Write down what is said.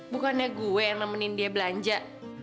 bukannya gue yang nemenin dia belanja